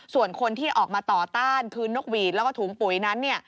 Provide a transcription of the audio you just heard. ส่วนคนที่ออกมาต่อต้านคือนกหวีดแล้วก็ถุงปุ๋ยนั้น